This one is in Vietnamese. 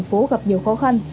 tp hcm gặp nhiều khó khăn